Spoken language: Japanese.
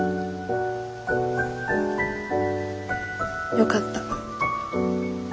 よかった。